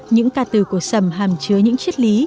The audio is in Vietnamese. những ca từ của sầm hàm chứa những chiếc lý